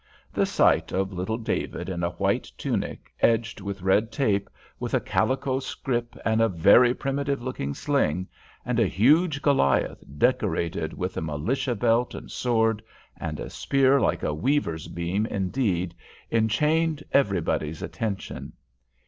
The sight of little David in a white tunic edged with red tape, with a calico scrip and a very primitive looking sling; and a huge Goliath decorated with a militia belt and sword, and a spear like a weaver's beam indeed, enchained everybody's attention.